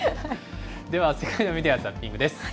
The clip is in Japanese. では世界のメディア・ザッピングです。